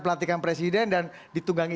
pelatikan presiden dan ditunggangi